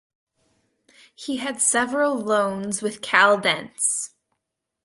He had several loans with Caldense.